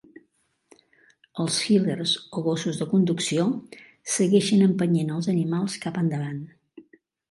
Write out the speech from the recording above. Els "heelers" o gossos de conducció segueixen empenyent els animals cap endavant.